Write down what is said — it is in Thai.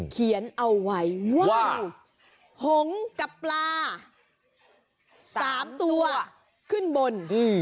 เขียนเอาไว้ว่าหงกับปลาสามตัวขึ้นบน